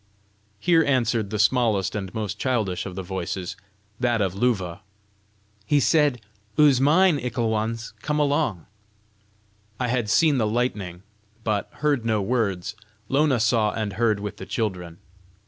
Here answered the smallest and most childish of the voices that of Luva: "He said, ''Ou's all mine's, 'ickle ones: come along!'" I had seen the lightning, but heard no words; Lona saw and heard with the children.